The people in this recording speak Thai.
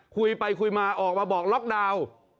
คุยไปคุยมาออกมาบอกล็อกดาวน์